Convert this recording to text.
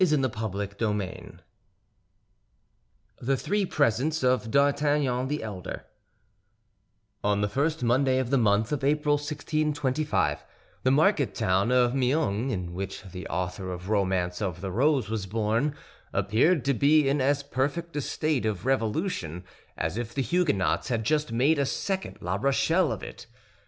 The Three Musketeers Chapter I. THE THREE PRESENTS OF D'ARTAGNAN THE ELDER On the first Monday of the month of April, 1625, the market town of Meung, in which the author of Romance of the Rose was born, appeared to be in as perfect a state of revolution as if the Huguenots had just made a second La Rochelle of it.